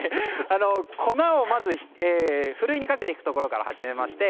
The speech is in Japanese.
粉をまずふるいに掛けていくところから始めまして。